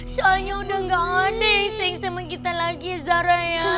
soalnya udah gak ada ising sama kita lagi zara ya